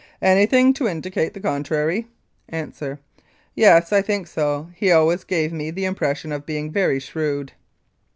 Anything to indicate the contrary? A. Yes, I think so, he always gave me the impression of being very shrewd.